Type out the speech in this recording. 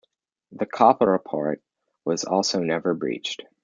The koppelpoort was also never breached.